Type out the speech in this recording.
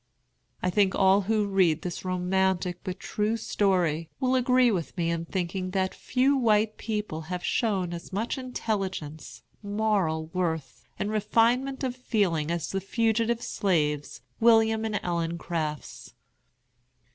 I think all who read this romantic but true story will agree with me in thinking that few white people have shown as much intelligence, moral worth, and refinement of feeling as the fugitive slaves William and Ellen Crafts.